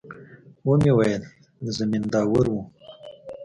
ومې ويل د زمينداورو.